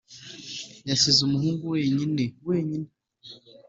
yasize umuhungu wenyine, wenyine